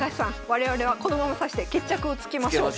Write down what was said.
我々はこのまま指して決着をつけましょう。